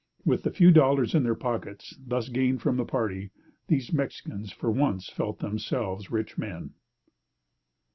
With the few dollars in their pockets thus gained from the party, these Mexicans for once felt themselves rich men.